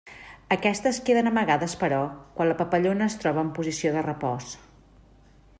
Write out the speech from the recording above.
Aquestes queden amagades però quan la papallona es troba en posició de repòs.